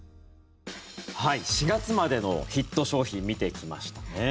４月までのヒット商品を見てきましたね。